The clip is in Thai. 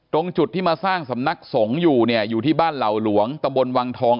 ตรงจุดที่มาสร้างสำนักสงฆ์อยู่เนี่ยอยู่ที่บ้านเหล่าหลวงตะบนวังทอง